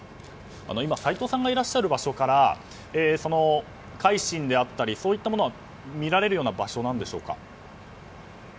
今、斎藤さんがいらっしゃる場所から「海進」であったりは見られる場所なんでしょうか？